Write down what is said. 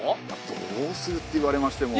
どうするって言われましても。